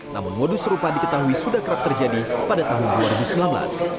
namun modus serupa diketahui sudah kerap terjadi pada tahun dua ribu sembilan belas